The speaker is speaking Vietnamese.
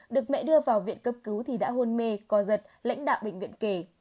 được mẹ đưa vào viện cấp cứu thì đã hôn mê co giật lãnh đạo bệnh viện kể